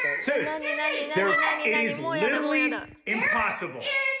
何何何？